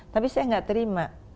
tapi saya tidak terima